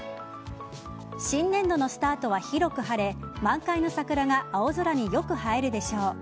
新年度のスタートは広く晴れ満開の桜が青空によく映えるでしょう。